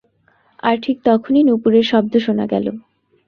আর ঠিক তখনই নূপুরের শব্দ শোনা গেল।